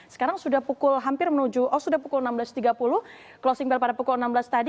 sekarang sudah pukul enam belas tiga puluh closing bell pada pukul enam belas tadi